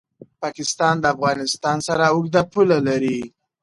پاکستان د افغانستان سره اوږده پوله لري.